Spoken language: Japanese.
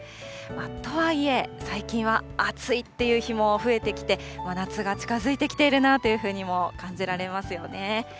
とはいえ最近は暑いっていう日も増えてきて、夏が近づいてきているなというふうにも感じられますよね。